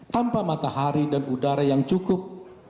tanpa matahari dan udara yang cukup